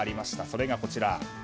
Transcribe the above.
それがこちら。